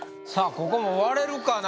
ここも割れるかな？